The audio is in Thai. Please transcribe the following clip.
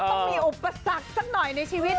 ต้องมีอุปสรรคสักหน่อยในชีวิต